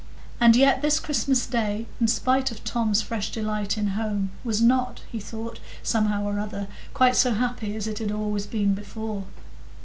And yet this Christmas day, in spite of Tom's fresh delight in home, was not, he thought, somehow or other, quite so happy as it had always been before.